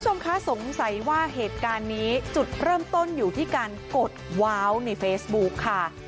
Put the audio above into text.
คุณผู้ชมคะสงสัยว่าเหตุการณ์นี้จุดเริ่มต้นอยู่ที่การกดว้าวในเฟซบุ๊คค่ะ